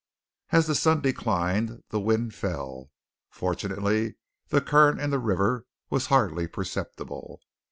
As the sun declined, the wind fell. Fortunately the current in the river was hardly perceptible.